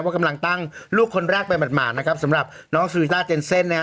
ว่ากำลังตั้งลูกคนแรกไปหมดหมายนะครับสำหรับน้องสีวิต้าเจนเซ่นนะฮะ